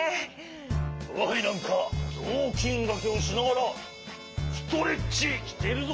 わがはいなんかぞうきんがけをしながらストレッチしているぞ。